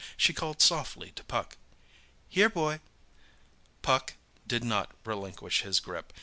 She called softly to Puck. "Here, boy!" Puck did not relinquish his grip.